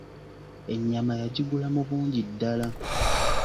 Ennyama yagigula mu bungi ddala.